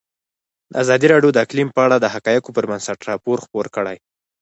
ازادي راډیو د اقلیم په اړه د حقایقو پر بنسټ راپور خپور کړی.